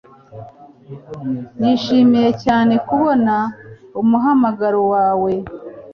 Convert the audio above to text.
Nishimiye cyane kubona umuhamagaro wawe